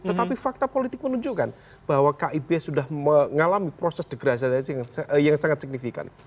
tetapi fakta politik menunjukkan bahwa kib sudah mengalami proses degradasi yang sangat signifikan